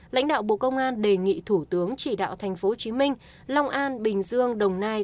lãnh đạo bộ công an đề nghị thủ tướng chỉ đạo thành phố hồ chí minh long an bình dương đồng nai